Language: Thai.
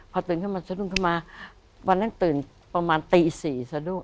พอตื่นขึ้นมาสะดุ้งขึ้นมาวันนั้นตื่นประมาณตี๔สะดุ้ง